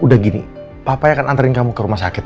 udah gini papa akan anterin kamu ke rumah sakit